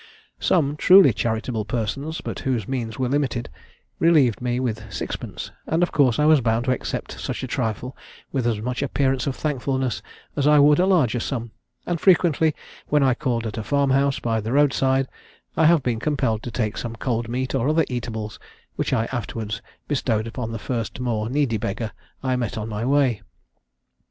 Some truly charitable persons, but whose means were limited, relieved me with sixpence, and of course I was bound to accept such a trifle with as much appearance of thankfulness as I would a larger sum; and frequently when I called at a farm house by the road side, I have been compelled to take some cold meat or other eatables, which I afterwards bestowed upon the first more needy beggar I met on my way.